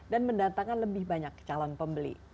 dan mendatangkan lebih banyak calon pembeli